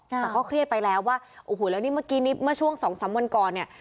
แต่เขาเครียดไปแล้วว่าโอ้โหแล้วนี่เมื่อกี้นี้เมื่อช่วงสองสามวันก่อนเนี่ย